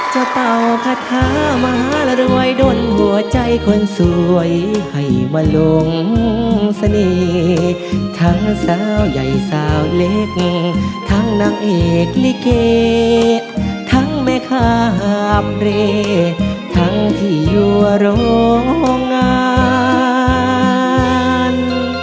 จะความสะนีทั้งสาวใหญ่สาวเล็กทั้งนักเอกนิเกตทั้งแมคคาหาเพลตทั้งที่โยโรงาน